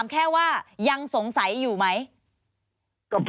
ก็ยังสงสัยอยู่ครับ